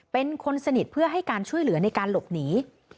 เป็นคนสนิทเพื่อให้การช่วยเหลือในการหลบหนี